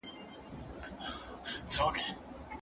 د يوسف سورت په اووم آيت کي الله عزوجل فرمايلي دي.